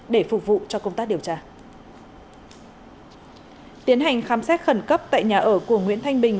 để phục vụ cho công tác điều tra tiến hành khám xét khẩn cấp tại nhà ở của nguyễn thanh bình